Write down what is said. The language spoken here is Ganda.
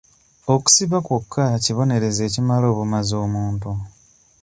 Okusiba kwokka kibonerezo ekimala obumazi omuntu.